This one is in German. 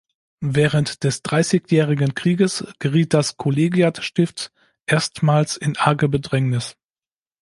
Während des Dreißigjährigen Krieges geriet das Kollegiatstift erstmals in arge Bedrängnis.